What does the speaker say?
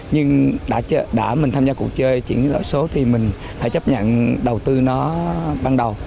nhưng đã mình tham gia cuộc chơi chuyển đổi số thì mình phải chấp nhận đầu tư nó ban đầu